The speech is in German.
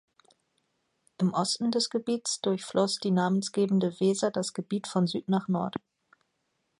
Im Osten des Gebiets durchfloss die namensgebende Weser das Gebiet von Süd nach Nord.